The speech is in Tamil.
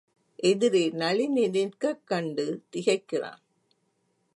எதிரே நளினி நிற்கக்கண்டு திகைக்கிறான்.